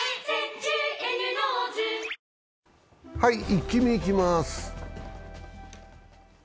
イッキ見いきます。